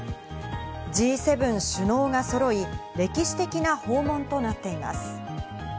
Ｇ７首脳がそろい、歴史的な訪問となっています。